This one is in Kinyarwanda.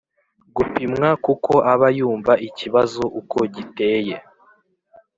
gupimwa kuko aba yumva ikibazo uko giteye,